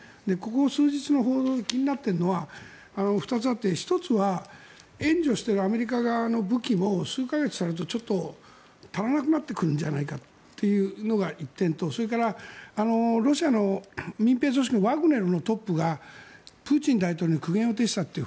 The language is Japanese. ここ数日の報道で気になっているのは２つあって、１つは援助しているアメリカ側の武器も数か月経つとちょっと足らなくなってくるんじゃないかというのが１点とロシアの民兵組織のワグネルのトップがプーチン大統領に苦言を呈したと。